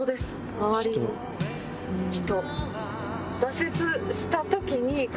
周りの人。